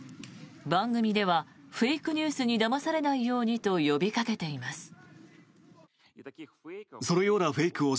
番組ではフェイクニュースにだまされないようにと呼びかけています。